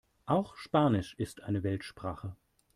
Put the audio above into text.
Auch Spanisch ist eine Weltsprache.